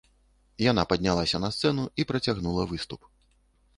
Яна паднялася на сцэну і працягнула выступ.